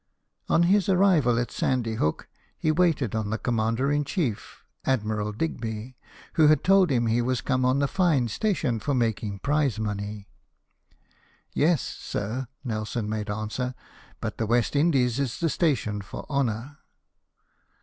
On his arrival at Sandy Hook, he waited on the commander in chief, Admiral Digby, who told him he was come on a fine station for making prize money. "Yes, sir," Nelson made answer ;" but the West Indies is the station for honour."